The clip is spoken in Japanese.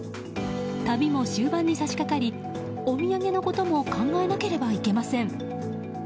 旅も終盤に差し掛かりお土産のことも考えなければいけません。